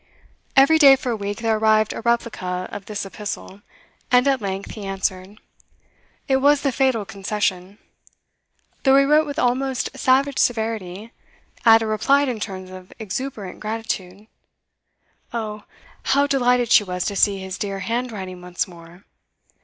Every day for a week there arrived a replica of this epistle, and at length he answered. It was the fatal concession. Though he wrote with almost savage severity, Ada replied in terms of exuberant gratitude. Oh, how delighted she was to see his dear handwriting once more!